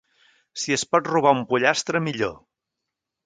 Si es pot robar un pollastre, millor.